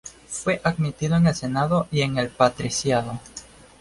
Fue admitido en el Senado y en el patriciado.